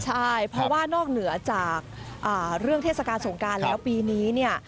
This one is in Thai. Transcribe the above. ใช่เพราะว่านอกเหนือจากเรื่องเทศกาลสงการแล้วปีนี้เนี่ย